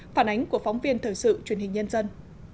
phản ánh của phóng viên thời sự truyền hình nhân dân